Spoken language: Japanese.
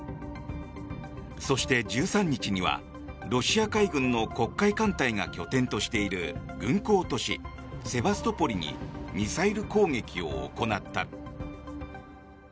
そして、１３日にはロシア海軍の黒海艦隊が拠点としている軍港都市セバストポリにミサイル攻撃を行った。